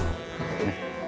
ねっ？